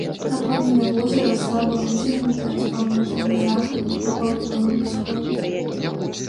Катлавіна возера слаба выцягнутая з паўночнага захаду на паўднёвы ўсход.